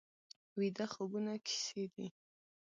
ویده خوبونه کیسې دي